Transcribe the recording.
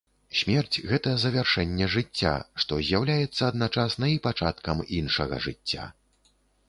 Смерць гэта завяршэнне жыцця, што з'яўляецца адначасна і пачаткам іншага жыцця.